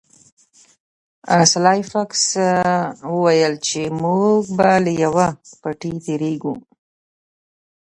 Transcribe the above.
سلای فاکس وویل چې موږ به له یوه پټي تیریږو